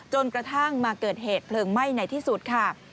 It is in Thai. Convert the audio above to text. จนกระทั่งมาเกิดเหตุเพลิงไหม้ในที่สุดค่ะ